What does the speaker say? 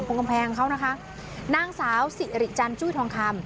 กำแพงเขานะคะนางสาวสิริจันจุ้ยทองคำ